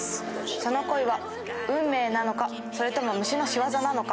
その恋は運命なのか、それとも虫の仕業なのか。